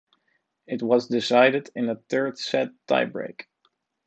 It was decided in a third set tiebreak.